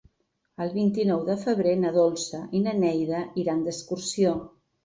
El vint-i-nou de febrer na Dolça i na Neida iran d'excursió.